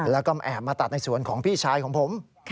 แล้วก็แอบมาตัดในสวนของพี่ชายของผม